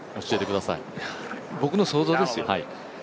僕の想像ですよ？